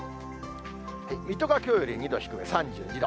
水戸がきょうより２度低い３２度。